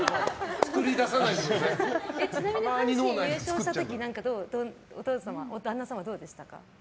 ちなみに阪神優勝した時旦那様はどうでしたか？